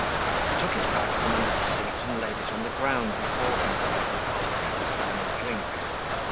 He took his bag from under the seat and laid it on the ground before him whilst they had a final drink.